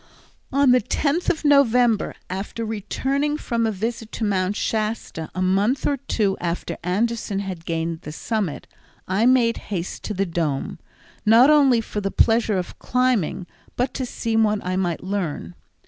On the 10th of November, after returning from a visit to Mount Shasta, a month or two after Anderson had gained the summit, I made haste to the Dome, not only for the pleasure of climbing, but to see what I might learn.